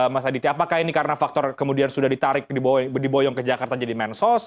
mas aditya apakah ini karena faktor kemudian sudah ditarik diboyong ke jakarta jadi mensos